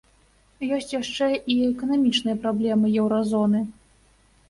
Ёсць яшчэ і эканамічныя праблемы еўразоны.